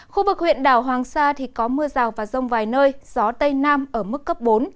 khu vực huyện đảo hoàng sa thì có mưa rào và rông vài nơi gió tây nam ở mức cấp bốn